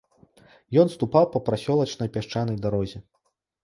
Ён ступаў па прасёлачнай пясчанай дарозе.